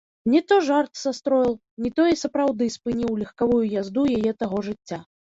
Не то жарт састроіў, не то і сапраўды спыніў легкавую язду яе таго жыцця.